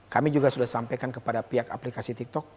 kami juga sudah sampaikan kepada pihak aplikasi tiktok